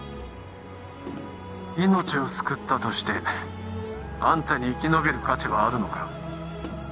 命を救ったとしてあんたに生き延びる価値はあるのか？